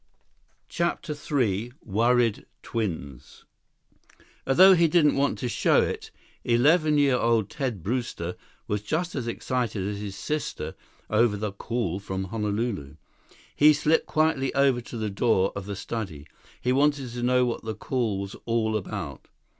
11 CHAPTER III Worried Twins Although he didn't want to show it, eleven year old Ted Brewster was just as excited as his sister over the call from Honolulu. He slipped quietly over to the door of the study. He wanted to know what the call was all about.